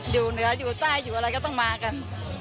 อยู่เหนืออยู่ใต้อยู่อะไรก็ต้องมากัน